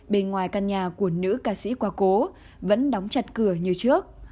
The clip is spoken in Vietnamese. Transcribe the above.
bên ngoài căn nhà của nữ ca sĩ quá cố vẫn đóng chặt cửa như trước